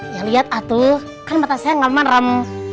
ya liat atul kan mata saya gak merem